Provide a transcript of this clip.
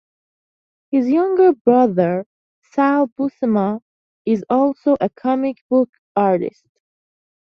His younger brother Sal Buscema is also a comic book artist.